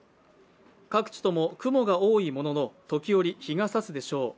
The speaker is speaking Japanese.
各地とも雲が多いものの時折、日がさすでしょう。